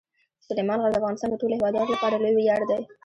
سلیمان غر د افغانستان د ټولو هیوادوالو لپاره لوی ویاړ دی.